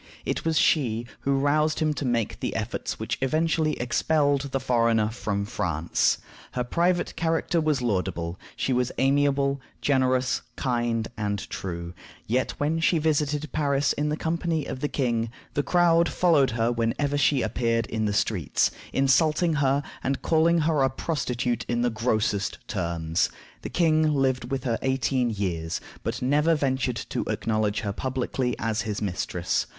It was she who roused him to make the efforts which eventually expelled the foreigner from France. Her private character was laudable: she was amiable, generous, kind, and true; yet when she visited Paris in company with the king, the crowd followed her whenever she appeared in the streets, insulting her, and calling her a prostitute in the grossest terms. The king lived with her eighteen years, but never ventured to acknowledge her publicly as his mistress.